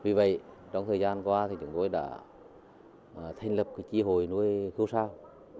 vì vậy trong thời gian qua thì chúng tôi đã thành lập cái chi hội nuôi hưu sao